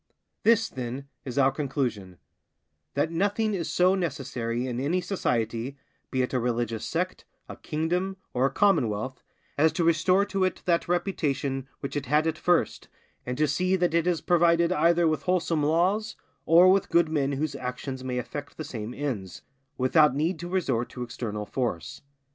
This, then, is our conclusion—that nothing is so necessary in any society, be it a religious sect, a kingdom, or a commonwealth, as to restore to it that reputation which it had at first, and to see that it is provided either with wholesome laws, or with good men whose actions may effect the same ends, without need to resort to external force.